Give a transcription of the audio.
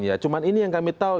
ya cuma ini yang kami tahu